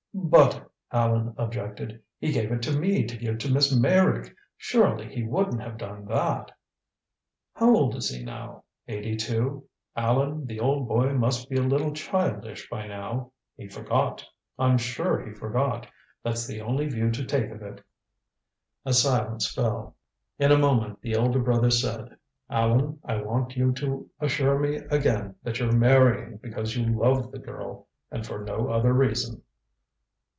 "But," Allan objected, "he gave it to me to give to Miss Meyrick. Surely he wouldn't have done that " "How old is he now? Eighty two? Allan, the old boy must be a little childish by now he forgot. I'm sure he forgot. That's the only view to take of it." A silence fell. In a moment the elder brother said: "Allan, I want you to assure me again that you're marrying because you love the girl and for no other reason."